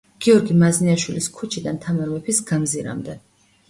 გიორგი მაზნიაშვილის ქუჩიდან თამარ მეფის გამზირამდე.